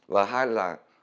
và hai là